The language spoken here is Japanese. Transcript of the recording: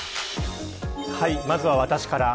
まずは私から。